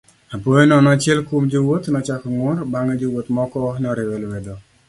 Apoya nono achiel kuom jowuoth nochako ng'ur bang'e jowuoth moko noriwe lwedo.